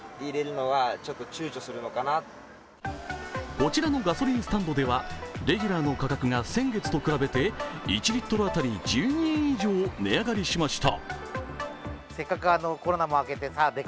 こちらのガソリンスタンドではレギュラーの価格が先月と比べて１リットあたり１２円以上値上げしました。